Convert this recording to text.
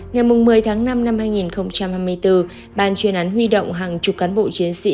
ngày một mươi tháng năm năm hai nghìn hai mươi bốn ban chuyên án huy động hàng chục cán bộ chiến sĩ